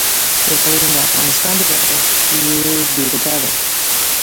اقلیم د افغانستان د جغرافیې بېلګه ده.